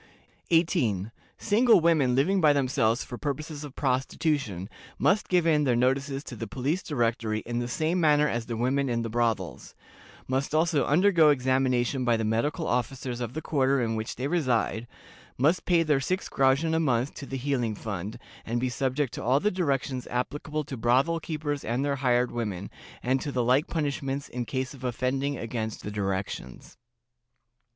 "18. Single women living by themselves for purposes of prostitution must give in their notices to the Police Directory in the same manner as the women in the brothels; must also undergo examination by the medical officers of the quarter in which they reside; must pay their six groschen a month to the healing fund, and be subject to all the directions applicable to brothel keepers and their hired women, and to the like punishments in case of offending against the directions.